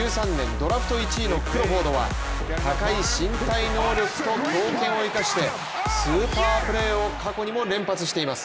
ドラフト１位のクロフォードは高い身体能力と強肩を生かしてスーパープレーを過去にも連発しています。